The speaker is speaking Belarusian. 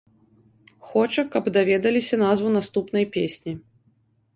Хоча, каб даведаліся назву наступнай песні.